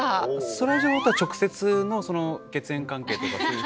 そらジローとは直接の血縁関係とかそういう？